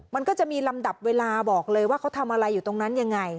มันก็จะมีลำดับเวลาบอกเลยว่าเขาทำอะไรอยู่ตรงนั้นยังไง